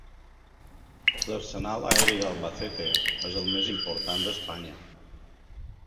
L'Arsenal aeri d'Albacete és el més important d'Espanya.